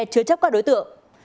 chứa chấp các đối tượng